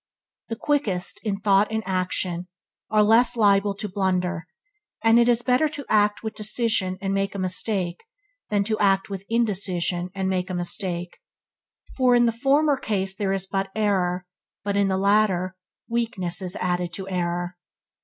The quickest, in thought and action, are less liable to blunder, and it is better to act with decision and make a mistake than to act with indecision and make a mistake than to act with indecision and make a mistake, for in the former case there is but error, but in the latter, weakness is added to error.